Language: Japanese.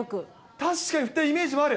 確かに、振ったイメージもある。